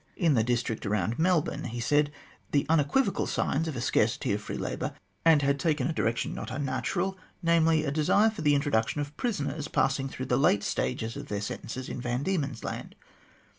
In the district around Melbourne, 8 THE GLADSTONE COLONY he said, the unequivocal signs of a scarcity of free labour had already begun to appear, and had taken a direction not unnatural, namely, a desire for the introduction of prisoners passing through the late stages of their sentences in Van Diemen's Land.